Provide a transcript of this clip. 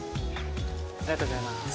ありがとうございます。